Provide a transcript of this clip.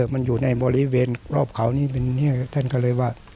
มันอยู่ในบริเวณรอบเขานี่ท่านก็เลยว่า